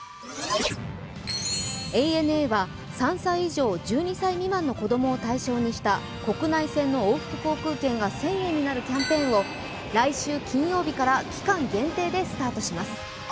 ＡＮＡは３歳以上１２歳未満の子どもを対象にした国内線の往復航空券が１０００円になるキャンペーンを来週金曜日から期間限定でスタートします。